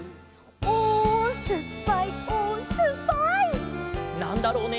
「おおすっぱいおおすっぱい」なんだろうね？